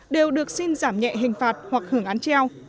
đều được xin giảm nhẹ hình phạt hoặc hưởng án treo